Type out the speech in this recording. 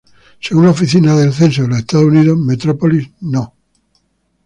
Según la Oficina del Censo de los Estados Unidos, Metropolis No.